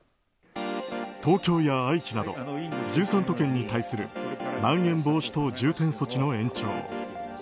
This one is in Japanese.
東京や愛知など１３都県に対するまん延防止等重点措置の延長。